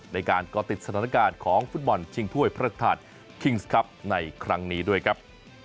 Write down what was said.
ก่อติดสถานการณ์ของฟุตบอลชิงถ้วยพระราชทานคิงส์ครับในครั้งนี้ด้วยครับ